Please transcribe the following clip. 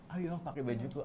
ayo pakai baju gua